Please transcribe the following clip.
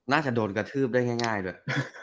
น่าจะโดนกระทืบได้ง่ายด้วย